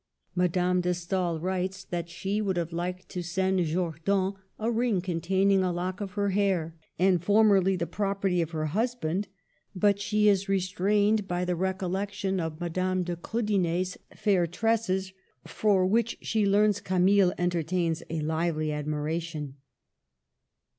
Madame de Stael writes that she would have liked to send Jordan a ring containing a lock of her hair, and formerly the property of her husband, but she is restrained by the recollection of Madame de Krii (108) 1 NEW FACES AT COPPET IO9 dener's fair tresses, for which, as she learns, Camille entertains a lively admiration.